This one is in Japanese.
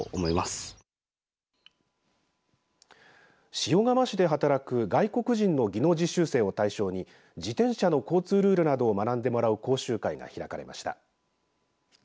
塩釜市で働く外国人の技能実習生を対象に自転車の交通ルールなどを学んでもらう講習会が開かれました。